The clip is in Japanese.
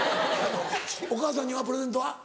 お母さんにはプレゼントは？